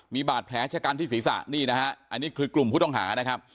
มีบาดแผลชะกันที่ศีรษะนี่นะฮะอันนี้คือกลุ่มผู้ต้องหานะครับ